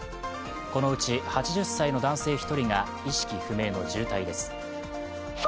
このうち８０歳の男性１人が意識不明の重体です。